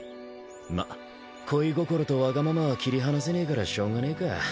まっ恋心とわがままは切り離せねえからしょうがねえか。